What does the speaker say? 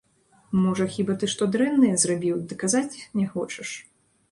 Можа, хіба ты што дрэннае зрабіў, ды казаць не хочаш?